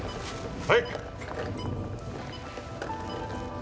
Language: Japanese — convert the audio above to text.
はい。